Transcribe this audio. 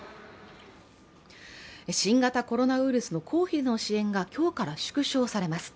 新型コロナウイルスの公費での支援が今日から縮小されます。